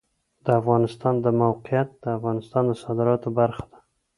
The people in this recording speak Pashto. د افغانستان د موقعیت د افغانستان د صادراتو برخه ده.